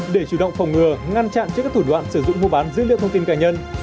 để chủ động phòng ngừa ngăn chặn trước các thủ đoạn sử dụng mua bán dữ liệu thông tin cá nhân